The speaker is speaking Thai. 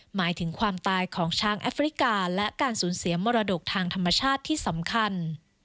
หมายถึงความตายของช้างแอฟริกาและการสูญเสียมรดกทางธรรมชาติที่สำคัญ